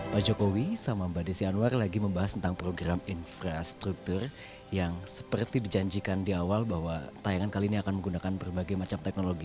pak jokowi sama mbak desi anwar lagi membahas tentang program infrastruktur yang seperti dijanjikan di awal bahwa tayangan kali ini akan menggunakan berbagai macam teknologi